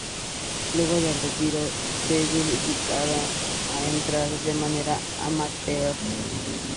Luego del retiro se dedicaría a entrenar de manera amateur.